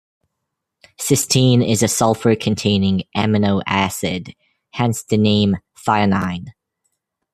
Cysteine is a sulfur-containing amino acid, hence the name "-thionein".